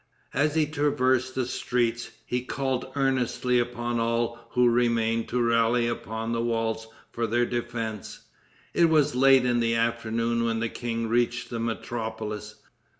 As he traversed the streets, he called earnestly upon all who remained to rally upon the walls for their defense. It was late in the afternoon when the king reached the metropolis.